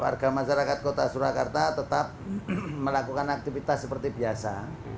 warga masyarakat kota surakarta tetap melakukan aktivitas seperti biasa